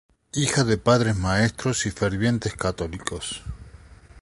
Hija de padres maestros y fervientes católicos.